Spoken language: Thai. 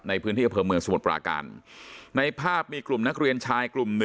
ในพื้นที่อำเภอเมืองสมุทรปราการในภาพมีกลุ่มนักเรียนชายกลุ่มหนึ่ง